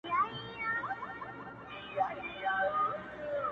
څه نرګس نرګس را ګورې څه غنچه غنچه ږغېږې،